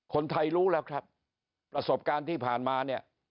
คนไทยรู้แล้วครับประสบการณ์ที่ผ่านมาเนี่ย